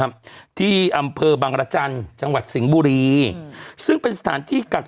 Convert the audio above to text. ครับที่อำเภอบังรจันทร์จังหวัดสิงห์บุรีซึ่งเป็นสถานที่กัก